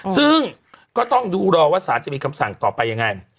ซึ่งก็ต้องดูรอว่าสารจะมีคำสั่งต่อไปยังไง